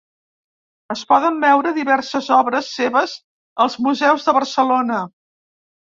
Es poden veure diverses obres seves als museus de Barcelona.